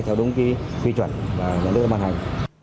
theo đúng cái quy chuẩn và những lựa màn hành